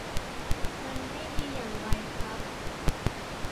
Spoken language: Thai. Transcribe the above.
มันไม่ดีอย่างไรครับ